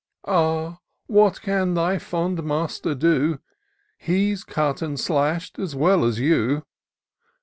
Ah ! what can thy fond master do ? He's cut and slash'd as well as you.